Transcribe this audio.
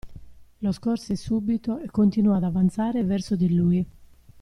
Lo scorse subito e continuò ad avanzare verso di lui.